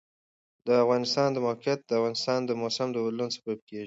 د افغانستان د موقعیت د افغانستان د موسم د بدلون سبب کېږي.